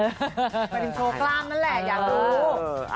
เป็นโชว์กล้ามนั่นแหละอยากรู้